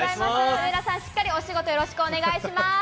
上田さん、しっかりお仕事お願いします。